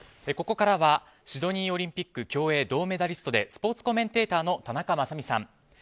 ここからはシドニーオリンピック競泳銅メダリストでスポーツコメンテーターの田中雅美さん。